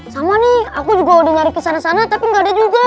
sama nih aku juga udah nyari ke sana sana tapi gak ada juga